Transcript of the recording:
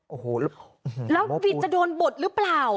โอ้โหแล้ววินจะโดนบดหรือเปล่า